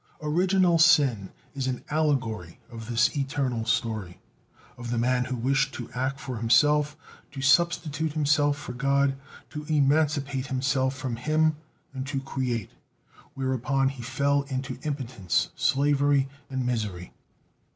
Original sin is an allegory of this eternal story, of the man who wished to act for himself, to substitute himself for God, to emancipate himself from Him, and to create. Whereupon he fell into impotence, slavery and misery.